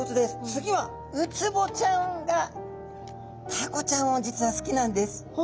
次はウツボちゃんがタコちゃんを実は好きなんです。